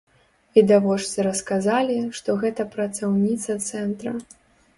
Відавочцы расказалі, што гэта працаўніца цэнтра.